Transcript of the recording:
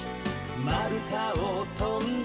「まるたをとんで」